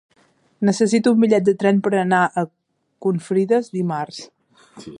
Necessito un bitllet de tren per anar a Confrides dimarts.